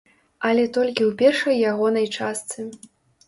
Але толькі ў першай ягонай частцы.